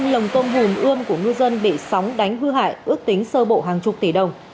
năm lồng tôm hùm ươm của ngư dân bị sóng đánh hư hại ước tính sơ bộ hàng chục tỷ đồng